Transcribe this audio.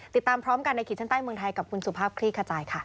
ติดตามพร้อมกันในขีดเส้นใต้เมืองไทยกับคุณสุภาพคลี่ขจายค่ะ